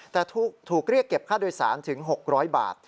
แต่ถูกเรียกเก็บค่าโดยสารถึง๖๐๐บาท